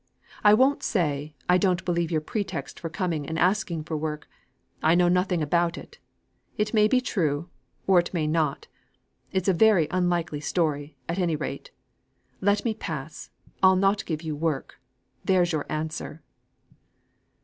I won't say, I don't believe your pretext for coming and asking for work; I know nothing about it. It may be true, or it may not. It's a very unlikely story, at any rate. Let me pass. I'll not give you work. There's your answer."